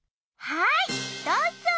はいどうぞ。